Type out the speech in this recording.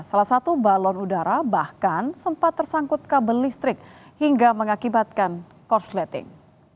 salah satu balon udara bahkan sempat tersangkut kabel listrik hingga mengakibatkan korsleting